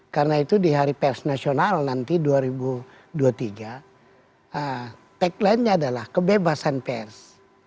karena itu di hari pers nasional nanti dua ribu dua puluh tiga tagline nya adalah kebebasan pers